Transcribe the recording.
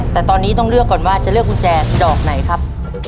แต่ตอนนี้ต้องเลือกก่อนว่าจะเลือกกุญแจดอกไหนครับ